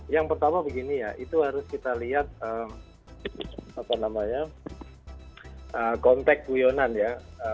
yang pertama begini ya itu harus kita lihat konteks guyonan ya